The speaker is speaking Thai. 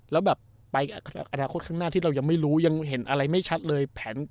แล้วแบบไปอนาคตข้างหน้าที่เรายังไม่รู้ยังเห็นอะไรไม่ชัดเลย